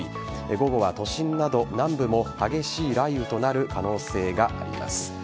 午後は都心など南部も激しい雷雨となる可能性があります。